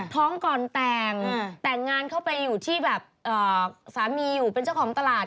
ท้องก่อนแต่งแต่งงานเข้าไปอยู่ที่แบบสามีอยู่เป็นเจ้าของตลาด